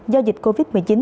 do dịch covid một mươi chín